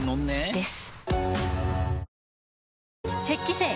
です。